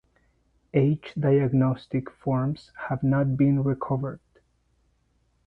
Age diagnostic forms have not been recovered.